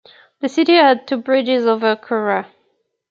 The city had two bridges over Kura.